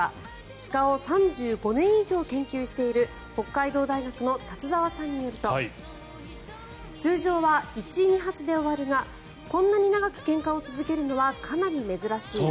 鹿を３５年以上研究している北海道大学の立澤さんによると通常は１２発で終わるがこんなに長くけんかを続けるのはかなり珍しい。